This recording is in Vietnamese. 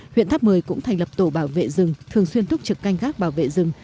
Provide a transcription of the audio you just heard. huyện tháp mười cũng thành lập tổ bảo vệ rừng thường xuyên thúc trực canh gác bảo vệ rừng